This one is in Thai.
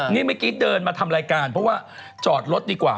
นี่เมื่อกี้เดินมาทำรายการเพราะว่าจอดรถดีกว่า